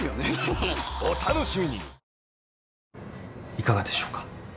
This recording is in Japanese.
いかがでしょうか？